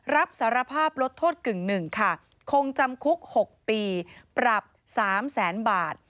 รับสารภาพลดโทษกึ่งหนึ่งค่ะคงจำคุก๖ปีปรับ๓แสนบาท